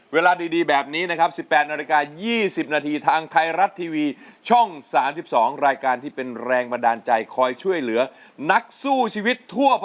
เพราะเราคือร้องได้ให้ร้านลูกทุ่งสู้ชีวิต